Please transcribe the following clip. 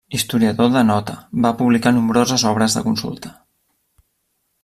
Historiador de nota, va publicar nombroses obres de consulta.